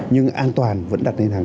nhưng an toàn vẫn đặt lên hàng